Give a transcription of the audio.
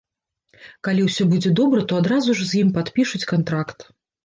Калі ўсё будзе добра, то адразу ж з ім падпішуць кантракт.